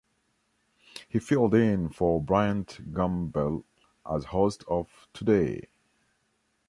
He filled in for Bryant Gumbel as host of "Today".